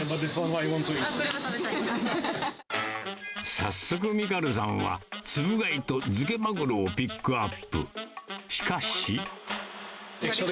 早速ミカルさんは、つぶ貝と漬けまぐろをピックアップ。